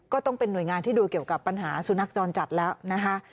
ก็เป็นหน่วยงานที่ดูเกี่ยวกับปัญหาสุนัขจรจัดแล้วนะคะ